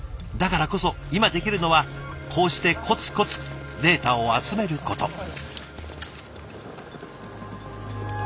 だからこそ今できるのはこうしてこつこつデータを集めること。